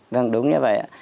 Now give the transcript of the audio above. vâng đúng như vậy ạ